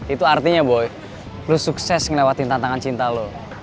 itu artinya boy lo sukses ngelewatin tantangan cinta lo